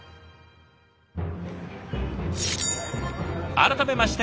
改めまして